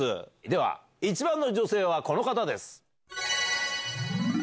では１番の女性はこの方です。